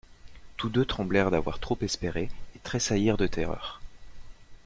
Tous deux tremblèrent d'avoir trop espéré et tressaillirent de terreur.